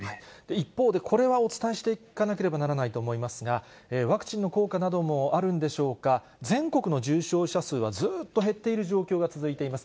一方で、これはお伝えしていかなければならないと思いますが、ワクチンの効果などもあるんでしょうか、全国の重症者数はずっと減っている状況が続いています。